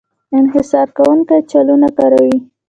انحصار کوونکی چلونه کاروي.